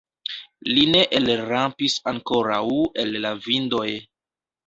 Li ne elrampis ankoraŭ el la vindoj.